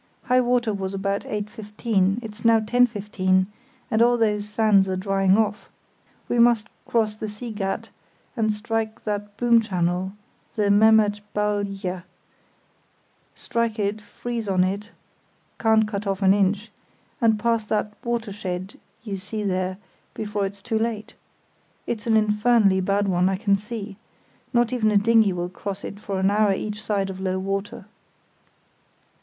High water was about 8.15: it's now 10.15, and all those sands are drying off. We must cross the See Gat and strike that boomed channel, the Memmert Balje; strike it, freeze on to it—can't cut off an inch—and pass that 'watershed' you see there before it's too late. It's an infernally bad one, I can see. Not even a dinghy will cross it for an hour each side of low water."